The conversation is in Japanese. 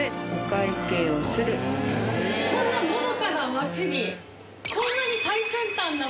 こんなのどかな町に。